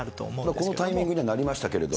このタイミングにはなりましたけれども。